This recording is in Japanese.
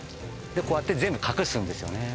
こうやって全部隠すんですよね